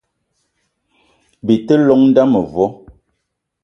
Bi te llong m'nda mevo